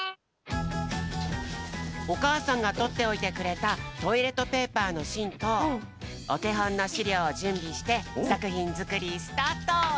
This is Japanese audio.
おかあさんがとっておいてくれたトイレットペーパーのしんとおてほんのしりょうをじゅんびしてさくひんづくりスタート！